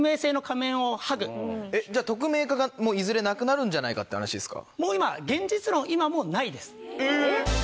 匿名化がいずれなくなるんじゃないかっていう話ですか？